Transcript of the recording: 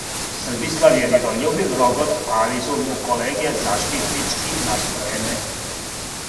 СРБИСЛАВ је мирољубив робот, али су му колеге заштитнички настројене!